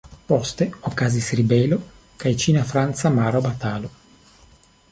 Poste okazis ribelo kaj ĉina-franca mara batalo.